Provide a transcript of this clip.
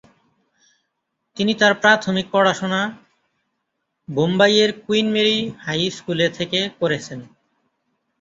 তিনি তার প্রাথমিক পড়াশুনা বোম্বাইয়ের কুইন মেরি হাই স্কুলে থেকে করেছেন।